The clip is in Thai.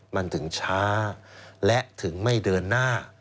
มันถึงช้าและถึงไม่เดินหน้า